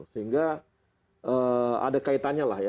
sehingga ada kaitannya lah ya